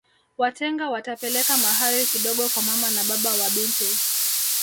Watenga watapeleka mahari kidogo kwa mama na baba wa binti